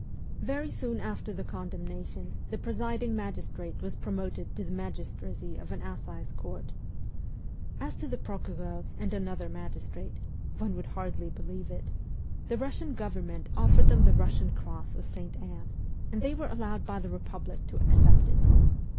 Very soon after the condemnation the presiding magistrate was promoted to the magistracy of an assize court. As to the procureur and another magistrate one would hardly believe it the Eussian WESTERN EUROPE 267 government offered them the Kussian cross of Sainte Anne, and they were allowed by the republic to accept it